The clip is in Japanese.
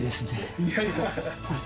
いやいや。